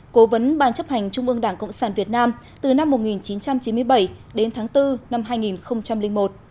cố vấn ban chấp hành trung ương đảng cộng sản việt nam từ năm một nghìn chín trăm chín mươi bảy đến tháng bốn năm hai nghìn một